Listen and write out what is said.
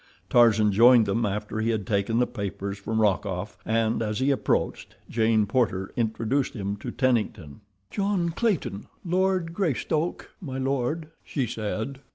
Tarzan joined them after he had taken the papers from Rokoff, and, as he approached, Jane Porter introduced him to Tennington. "John Clayton, Lord Greystoke, my lord," she said.